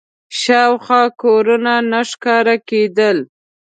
شاوخوا کورونه نه ښکاره کېدل.